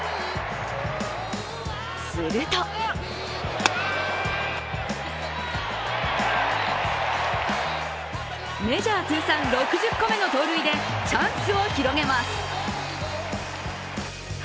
するとメジャー通算６０個目の盗塁でチャンスを広げます。